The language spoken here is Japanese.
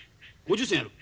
５０銭やる。